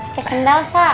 oke sendal sa